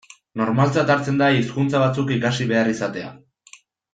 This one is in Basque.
Normaltzat hartzen da hizkuntza batzuk ikasi behar izatea.